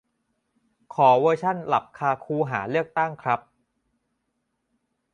ขอเวอร์ชันหลับคาคูหาเลือกตั้งครับ